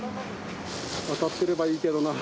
当たってればいいけどな。